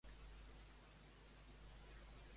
Què ha ajustat la Generalitat?